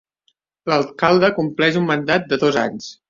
L'alcalde compleix un mandat de dos anys.